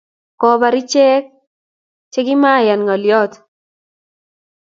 Kobar ichek che kimaiyan ng'oliot